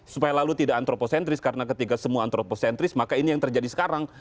supaya lalu tidak antropocentris karena ketika semua antroposentris maka ini yang terjadi sekarang